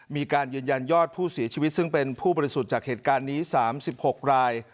มีการยืนยันยอดผู้เสียชีวิตซึ่งเป็นผู้บริสุทธิ์จากเหตุการณ์นี้๓๖ราย